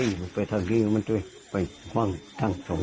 อย่างซ่องทางกัน